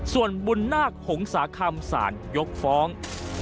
ส่วนบุญนาคหงษาคำสารยกฟ้อง